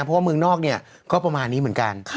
เพราะว่าเมืองนอกเนี่ยก็ประมาณนี้เหมือนกัน